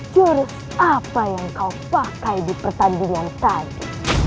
jor apa yang kau pakai di pertandingan tadi